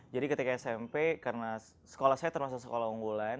jadi ketika smp karena sekolah saya termasuk sekolah unggulan